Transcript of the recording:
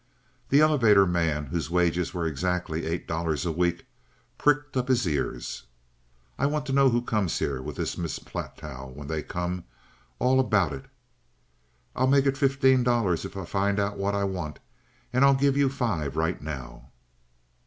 The elevator man, whose wages were exactly eight dollars a week, pricked up his ears. "I want to know who comes here with this Miss Platow, when they come—all about it. I'll make it fifteen dollars if I find out what I want, and I'll give you five right now."